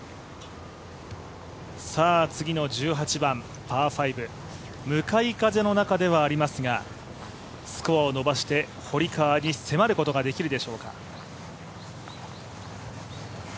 次の１８番、パー５向かい風の中ではありますがスコアを伸ばして堀川に迫ることができるでしょうか。